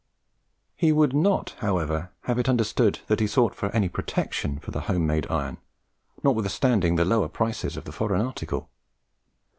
He would not, however, have it understood that he sought for any PROTECTION for the homemade iron, notwithstanding the lower prices of the foreign article.